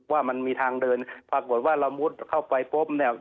ว่ามันมีทางเดินปรากฏว่าเรามุดเข้าไปปุ๊บเนี่ย